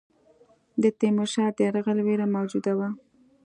د تیمورشاه د یرغل وېره موجوده وه.